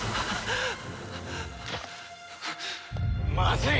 まずい！